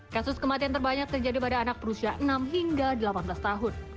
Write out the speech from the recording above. kasus kematian terbanyak terjadi pada anak berusia enam hingga delapan belas tahun